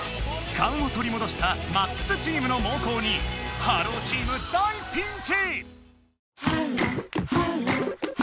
かんをとりもどした「ＭＡＸ」チームのもうこうに「ｈｅｌｌｏ，」チーム大ピンチ！